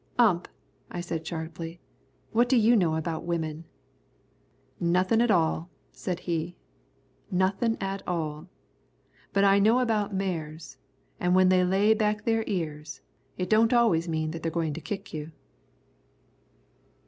"Ump," I said sharply, "what do you know about women?" "Nothin' at all," said he, "nothin' at all. But I know about mares. An' when they lay back their ears, it don't always mean that they're goin' to kick you."